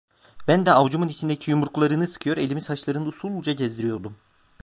Ben de avucumun içindeki yumruklarını sıkıyor, elimi saçlarında usulca gezdiriyordum.